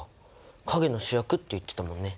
陰の主役って言ってたもんね。